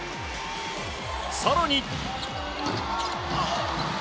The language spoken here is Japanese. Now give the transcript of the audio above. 更に。